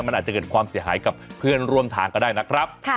มันอาจจะเกิดความเสียหายกับเพื่อนร่วมทางก็ได้นะครับ